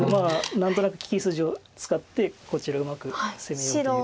何となく利き筋を使ってこちらをうまく攻めようという。